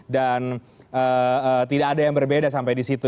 dan tidak ada yang berbeda sampai di situ